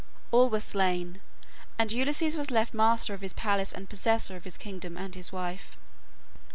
All were slain, and Ulysses was left master of his palace and possessor of his kingdom and his wife.